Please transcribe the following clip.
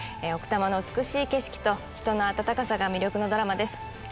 奥多摩の美しい景色と人の温かさが魅力のドラマです。